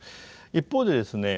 一方でですね